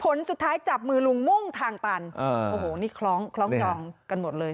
ผลสุดท้ายจับมือลุงมุ่งทางตันโอ้โหนี่คล้องคล้องจองกันหมดเลย